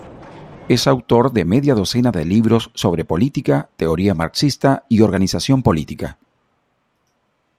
Es autor de media docena de libros sobre política, teoría marxista y organización política.